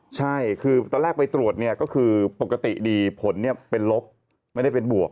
ใช่คือตอนแรกไปตรวจเนี่ยก็คือปกติดีผลเป็นลบไม่ได้เป็นบวก